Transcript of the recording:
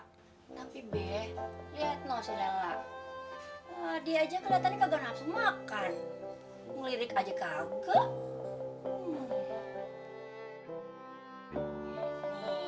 tapi be lihat noh si lela dia aja kelihatannya kagak langsung makan ngelirik aja kagak